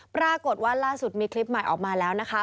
ปรากฏว่าล่าสุดมีคลิปใหม่ออกมาแล้วนะคะ